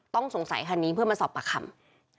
ต้องสงสัยคันนี้เพื่อมาสอบปากคำ